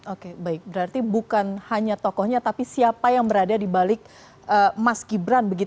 oke baik berarti bukan hanya tokohnya tapi siapa yang berada di balik mas gibran